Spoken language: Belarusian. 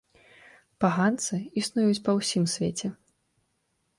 Паганцы існуюць па ўсім свеце.